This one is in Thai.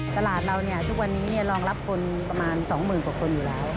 ตลาดเราทุกวันนี้รองรับคนประมาณ๒๐๐๐กว่าคนอยู่แล้ว